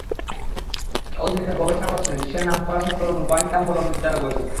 তাঁর অধীনে গবেষণা করছেন বিশ্বের নামকরা সব তরুণ কোয়ান্টাম বলবিদ্যার গবেষক।